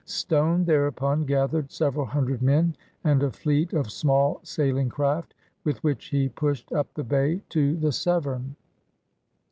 Stone thereupon gathered several hundred men and a fleet of small sailing craft, with which he pushed up the bay to the Severn.